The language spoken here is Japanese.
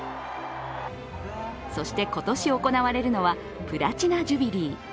そして、今年行われるのはプラチナ・ジュビリー。